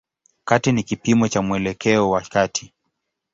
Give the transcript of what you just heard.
Kati ni kipimo cha mwelekeo wa kati.